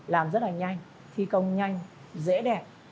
làm rất là nhanh thi công nhanh dễ đẹp